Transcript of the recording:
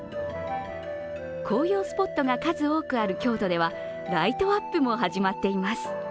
紅葉スポットが数多くある京都では、ライトアップも始まっています。